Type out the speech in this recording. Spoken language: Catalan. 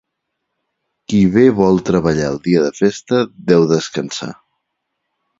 Qui bé vol treballar el dia de festa deu descansar.